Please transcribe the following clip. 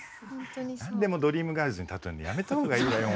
何でも「ドリームガールズ」に例えるのやめた方がいいわよ